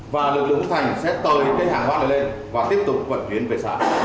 lực lượng phước thành sẽ thay hành hàng hóa lên và tiếp tục vào chuyển về xã